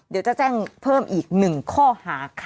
เดี๋ยวจะแจ้งเพิ่มอีก๑ข้อหาค่ะ